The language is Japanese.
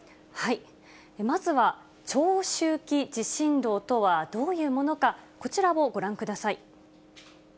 まずは長周期地震動とはどういうものか、こちらをご覧ください。